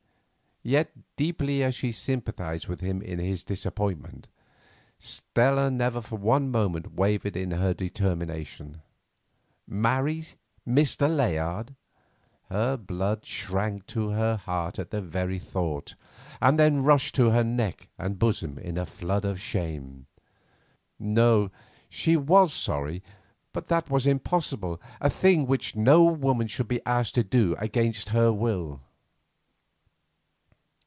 Yet, deeply as she sympathised with him in his disappointment, Stella never for one moment wavered in her determination. Marry Mr. Layard! Her blood shrank back to her heart at the very thought, and then rushed to her neck and bosom in a flood of shame. No, she was sorry, but that was impossible, a thing which no woman should be asked to do against her will.